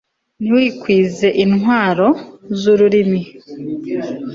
nimwikwize intwaro z'urumuri